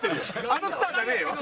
あのスターじゃねえよ！